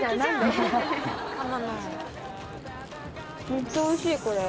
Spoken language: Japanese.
めっちゃおいしい！